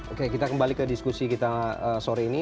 oke kita kembali ke diskusi kita sore ini